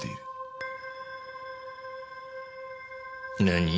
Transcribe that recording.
何？